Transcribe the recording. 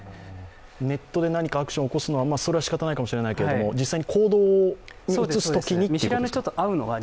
ネットで何かアクションを起こすのはしかたないかもしれないけど実際に行動に移すときにということですね。